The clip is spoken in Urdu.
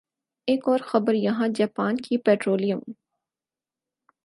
ایک اور خبر یہاں جاپان کی پٹرولیم